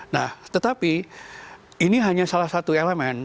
nah tetapi ini hanya salah satu elemen